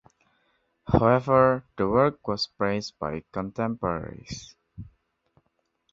However, the work was praised by contemporaries.